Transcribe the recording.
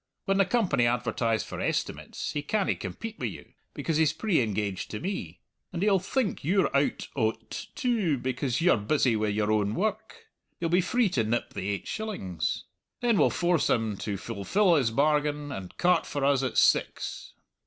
When the Company advertise for estimates he canna compete wi' you, because he's pre engaged to me; and he'll think you're out o't too, because you're busy wi' your own woark. You'll be free to nip the eight shillings. Then we'll force him to fulfill his bargain and cart for us at six."